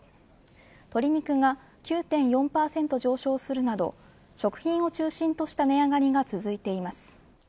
鶏肉が９．４％上昇するなど食費を中心とした値上がりが続いています。